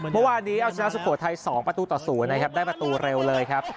เมื่อวานนี้เอาชนะสุโขทัย๒ประตูต่อ๐นะครับได้ประตูเร็วเลยครับ